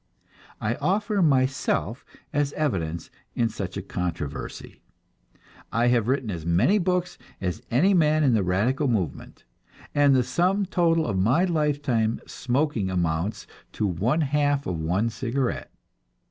I offer myself as evidence in such a controversy; I have written as many books as any man in the radical movement, and the sum total of my lifetime smoking amounts to one half of one cigarette.